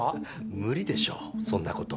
無理でしょそんなこと。